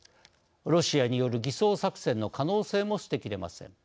ロシアによる偽装作戦の可能性も捨てきれません。